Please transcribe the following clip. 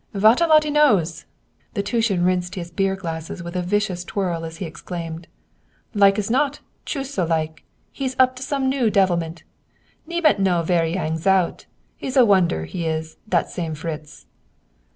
"Vat a lot 'e knows!" The Teuton rinsed his beer glasses with a vicious twirl as he exclaimed: "Like as not, choost so like, he's up to some new devilment! Niemand know vere 'e hangs out! He's a wonder, he is, dat same Fritz!"